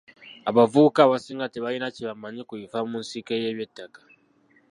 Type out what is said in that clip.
Abavubuka abasinga tebalina kye bamanyi ku bifa mu nsiike y'eby'ettaka.